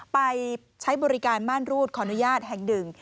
ไปใช้บริการม่านรูดขออนุญาตแห่งหนึ่ง